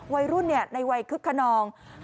วัยรุ่นในวัยคึกขนอง